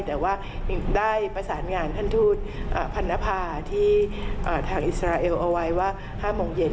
แต่ว่ายังได้ประสานงานท่านทูตพันนภาที่ทางอิสราเอลเอาไว้ว่า๕โมงเย็น